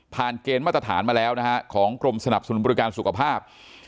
เกณฑ์มาตรฐานมาแล้วนะฮะของกรมสนับสนุนบริการสุขภาพ